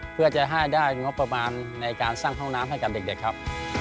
เพื่อจะให้ได้งบประมาณในการสร้างห้องน้ำให้กับเด็กครับ